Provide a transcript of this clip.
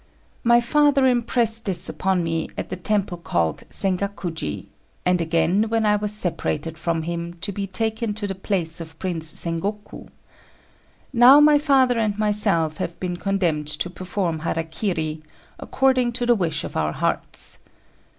My father impressed this upon me at the temple called Sengakuji, and again when I was separated from him to be taken to the palace of Prince Sengoku. Now my father and myself have been condemned to perform hara kiri, according to the wish of our hearts.